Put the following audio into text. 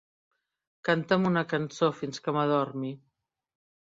Canta'm una cançó fins que m'adormi.